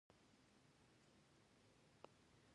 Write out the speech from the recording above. د انا خدمت کيي.